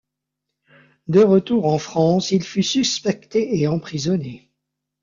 De retour en France il fut suspecté et emprisonné.